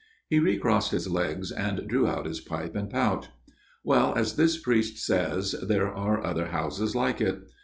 He recrossed his legs and drew out his pipe and pouch. " Well, as this priest says, there are other houses like it.